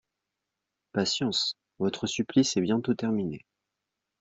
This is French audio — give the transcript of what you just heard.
Patience, votre supplice est bientôt terminé